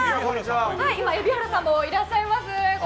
今、海老原さんもいらっしゃいます。